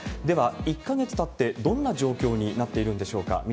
では、１か月たってどんな状況になっているんでしょうか。